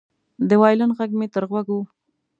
د وایلن غږ مې تر غوږ و